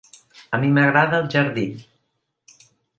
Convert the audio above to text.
A mi m’agrada el jardí.